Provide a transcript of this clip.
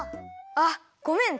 あっごめん！